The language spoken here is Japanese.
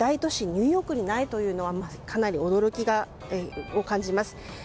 ニューヨークにないというのはかなり驚きを感じます。